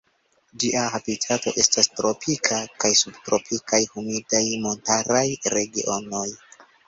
Ĝia habitato estas tropikaj kaj subtropikaj humidaj montaraj regionoj.